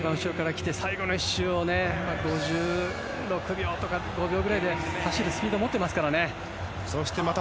最後の１周を５６秒とか５５秒くらいで走るスピードを持っていますからね。